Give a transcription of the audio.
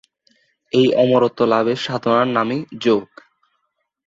এই অমরত্ব লাভের সাধনার নামই ‘যোগ’।